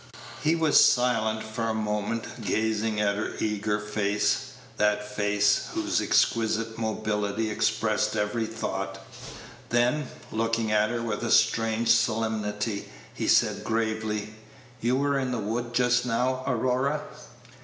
He was silent for a moment, gazing at her eager face that face, whose exquisite mobility expressed every thought; then, looking at her with a strange solemnity, he said gravely, "You were in the wood just now, Aurora?"